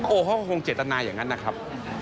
เขาก็คงเจตนาอย่างนั้นนะครับ